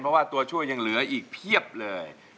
เพราะว่าตัวช่วยยังเหลืออีกเพียบเลย